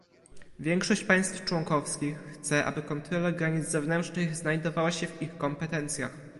Większość państw członkowskich chce, aby kontrola granic zewnętrznych znajdowała się w ich kompetencjach